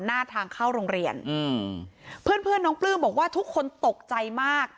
หน้าทางเข้าโรงเรียนอืมเพื่อนเพื่อนน้องปลื้มบอกว่าทุกคนตกใจมาก